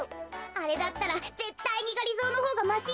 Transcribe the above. あれだったらぜったいにがりぞーのほうがましよ。